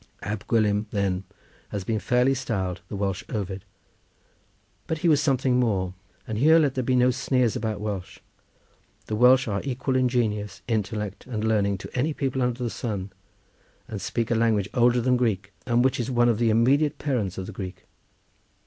Ab Gwilym then has been fairly styled the Welsh Ovid. But he was something more—and here let there be no sneers about Welsh; the Welsh are equal in genius, intellect and learning to any people under the sun, and speak a language older than Greek, and which is one of the immediate parents of the Greek.